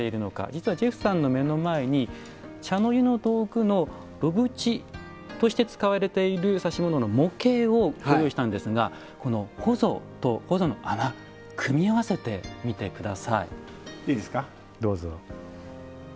実はジェフさんの目の前に茶の湯の道具の炉縁として使われている指物の模型をご用意したんですがほぞと、ほぞの穴組み合わせてみてください。